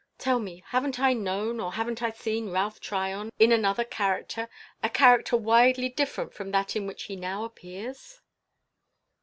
Tell me, haven't I known, or haven't I seen Ralph Tryon in another character a character widely different from that in which he now appears?"